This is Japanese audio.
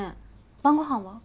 晩ご飯は？